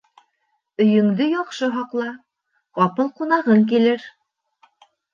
Өйөңдө яҡшы һаҡла: ҡапыл ҡунағың килер